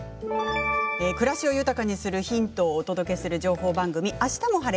暮らしを豊かにするヒントをお届けする情報番組「あしたも晴れ！